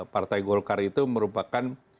partai golkar itu merupakan